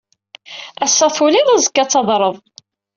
Ass-a tulid, azekka ad tadred.